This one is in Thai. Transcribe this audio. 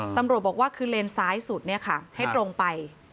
ตำรวจบอกว่าคือเลนซ้ายสุดให้ตรงไป